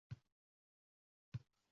Qalbing nega titraydi mundoq